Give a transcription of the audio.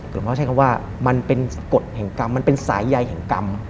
หลวงพ่อใช้คำว่ามันเป็นกฎแห่งกรรมมันเป็นสายใยแห่งกรรม